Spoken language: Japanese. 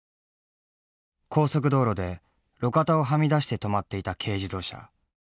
高速道路で路肩をはみ出して止まっていた軽自動車。